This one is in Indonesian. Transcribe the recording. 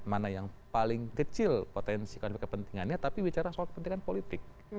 mana yang paling kecil potensi konflik kepentingannya tapi bicara soal kepentingan politik